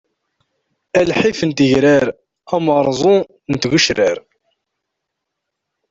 A lḥif n tegrar, ameṛṛẓu n tgecrar!